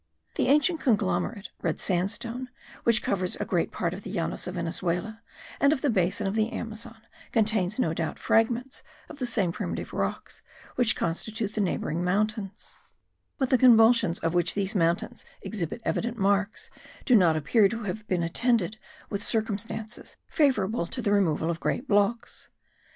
The ancient conglomerate (red sandstone) which covers a great part of the Llanos of Venezuela and of the basin of the Amazon contains no doubt fragments of the same primitive rocks which constitute the neighbouring mountains; but the convulsions of which these mountains exhibit evident marks, do not appear to have been attended with circumstances favourable to the removal of great blocks.